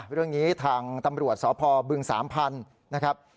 เรื่องนี้ทางตำรวจสพบึงสามพันธุ์นะครับ